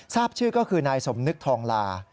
ทราบชื่อก็คือนายสมนึกทองลา